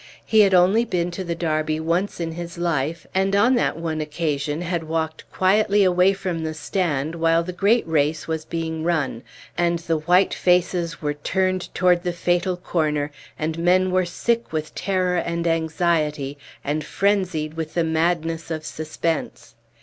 He had only been to the Derby once in his life, and on that one occasion had walked quietly away from the stand while the great race was being run, and the white faces were turned toward the fatal corner, and men were sick with terror and anxiety, and frenzied with the madness of suspense.